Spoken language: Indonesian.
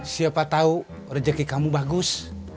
siapa tau rejeki kamu bagus